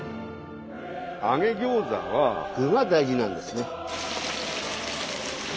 揚げ餃子は具が大事なんですね。